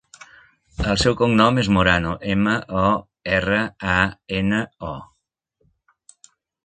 El seu cognom és Morano: ema, o, erra, a, ena, o.